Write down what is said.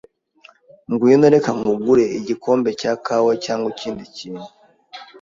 Ngwino, reka nkugure igikombe cya kawa cyangwa ikindi kintu.